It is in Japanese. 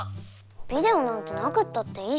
ビデオなんてなくったっていいじゃない。